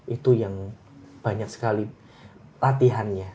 itu yang banyak sekali latihannya